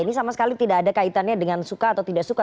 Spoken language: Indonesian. ini sama sekali tidak ada kaitannya dengan suka atau tidak suka